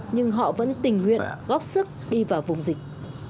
nhưng họ vẫn tình nguyện góp sức đi vào vùng dịch